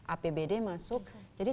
apbd masuk jadi